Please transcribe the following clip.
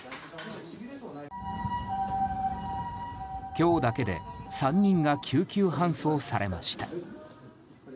今日だけで３人が救急搬送されました。